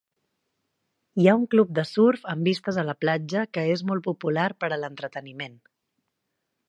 Hi ha un club de surf amb vistes a la platja que és molt popular per a l'entreteniment.